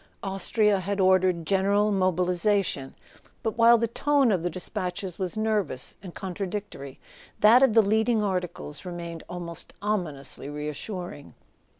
Austria had ordered gen¬ eral mobilisation; but while the tone of the despatches was nervous and contradictory that of the leading articles remained almost ominously reassuring.